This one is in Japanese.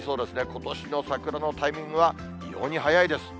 ことしの桜のタイミングは異様に早いです。